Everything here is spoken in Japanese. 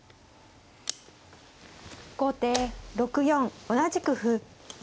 後手６四同じく歩。